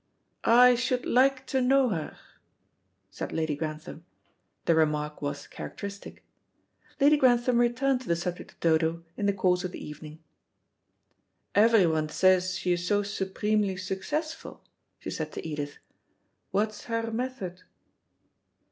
"I should like to know her," said Lady Grantham. The remark was characteristic. Lady Grantham returned to the subject of Dodo in the course of the evening. "Everyone says she is so supremely successful," she said to Edith. "What's her method?"